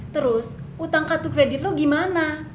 terus utang kartu kredit lo gimana